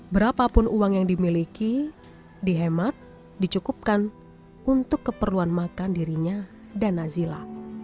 berapapun uang yang dimiliki dihemat dicukupkan untuk keperluan makan dirinya dan nazila